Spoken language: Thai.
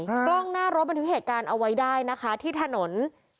กล้องหน้ารถบันทึกเหตุการณ์เอาไว้ได้นะคะที่ถนน